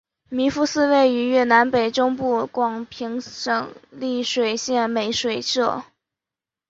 弘福寺位于越南北中部广平省丽水县美水社。